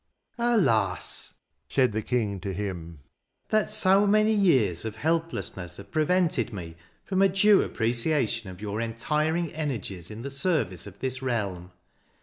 "Alas!" said the King to him, "that so many years of helplessness have prevented me from a due appreciation of your untiring energies in the service of this realm.